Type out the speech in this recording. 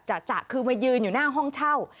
เจอแบบจ่ะคือมายืนอยู่หน้าคร่องเช่า